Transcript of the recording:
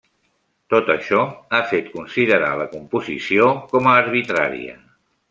Tot això ha fet considerar la composició com a arbitrària.